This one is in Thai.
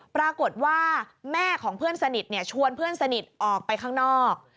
ปรากฏว่าแม่ของเพื่อนสนิทชวนเพื่อนสนิทออกไปข้างนอก